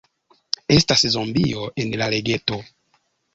Estas zombio en la lageto.